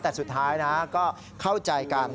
แต่สุดท้ายนะก็เข้าใจกัน